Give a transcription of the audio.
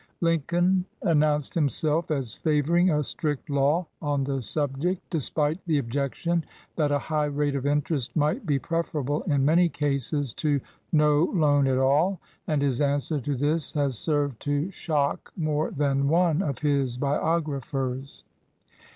Lincoln announced himself as favoring a strict law on the subject, despite the objection that a high rate of interest might be preferable, in many cases, to no loan at all, and his answer to this has served to shock more than one of his biographers.